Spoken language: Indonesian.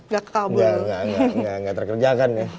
gak terkerjakan ya